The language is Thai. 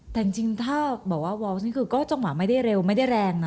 แต่จริงถ้าบอกว่าวอล์นี่คือก็จังหวะไม่ได้เร็วไม่ได้แรงนะ